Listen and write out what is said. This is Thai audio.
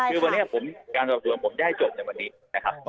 คือวันนี้ผมการสอบสวนผมจะให้จบในวันนี้นะครับ